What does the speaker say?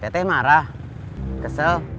teh marah kesel